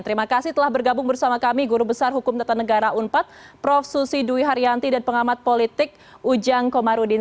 terima kasih telah bergabung bersama kami guru besar hukum tata negara unpad prof susi dwi haryanti dan pengamat politik ujang komarudin